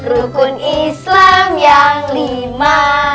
rukun islam yang lima